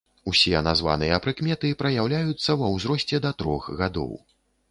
Усе названыя прыкметы праяўляюцца ва ўзросце да трох гадоў.